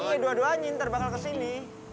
iya dua duanya ntar bakal kesini